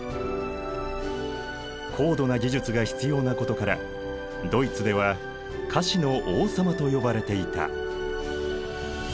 高度な技術が必要なことからドイツでは菓子の王様と呼ばれていた。